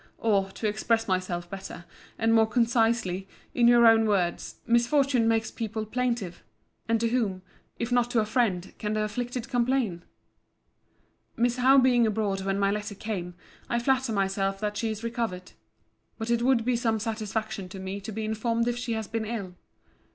—Or, to express myself better, and more concisely, in your own words, misfortune makes people plaintive: And to whom, if not to a friend, can the afflicted complain? Miss Howe being abroad when my letter came, I flatter myself that she is recovered. But it would be some satisfaction to me to be informed if she has been ill.